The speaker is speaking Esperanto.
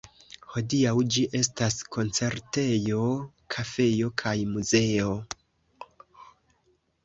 Hodiaŭ ĝi estas koncertejo, kafejo kaj muzeo.